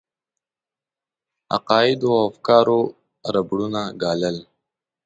عقایدو او افکارو ربړونه ګالل.